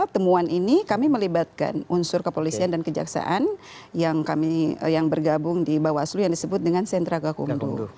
temuan ini kami melibatkan unsur kepolisian dan kejaksaan yang bergabung di bawaslu yang disebut dengan sentra gakumdu